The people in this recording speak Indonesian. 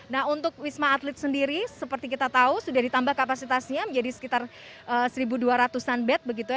nah untuk wisma atlet sendiri seperti kita tahu sudah ditambah kapasitasnya menjadi sekitar satu dua ratus an bed begitu ya